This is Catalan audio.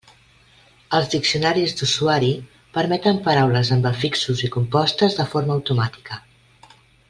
Els diccionaris d'usuari permeten paraules amb afixos i compostes de forma automàtica.